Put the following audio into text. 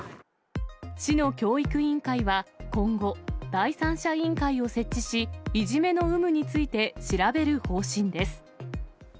市の教育委員会は、今後、第三者委員会を設置し、いじめの有無について調べる方針です。